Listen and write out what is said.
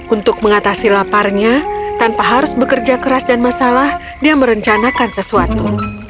untuk mengatasi laparnya tanpa harus bekerja keras dan masalah dia merencanakan sesuatu